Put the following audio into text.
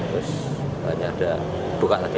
terus saya lanjutkan di pasar iwan bacarjo